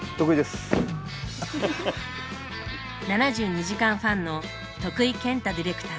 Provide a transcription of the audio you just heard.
「７２時間」ファンの徳井健太ディレクター。